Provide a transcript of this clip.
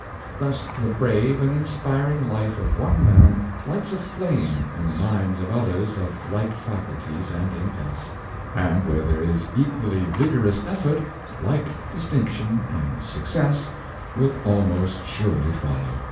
Thus the brave and inspiring life of one man lights a flame in the minds of others of like faculties and impulse; and where there is equally vigorous effort, like dis tinction and success will almost surely follow.